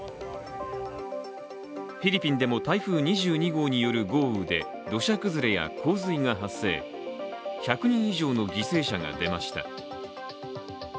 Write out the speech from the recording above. フィリピンでも台風２２号による豪雨で土砂崩れや洪水が発生１００人以上の犠牲者が出ました。